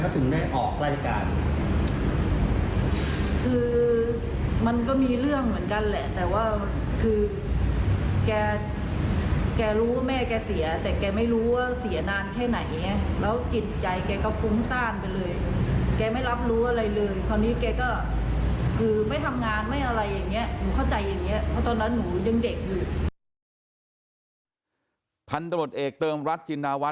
ทำไมเขาถึงได้ออกรายการ